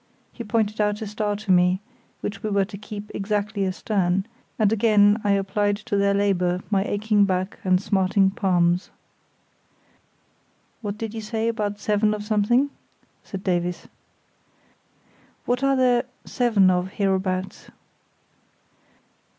He pointed out a star to me, which we were to keep exactly astern, and again I applied to their labour my aching back and smarting palms. "What did you say about seven of something?" said Davies. "What are there seven of hereabouts?"